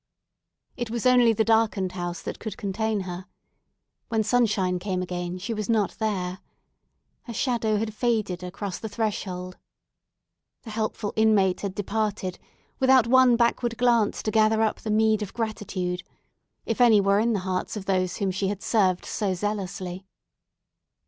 It was only the darkened house that could contain her. When sunshine came again, she was not there. Her shadow had faded across the threshold. The helpful inmate had departed, without one backward glance to gather up the meed of gratitude, if any were in the hearts of those whom she had served so zealously.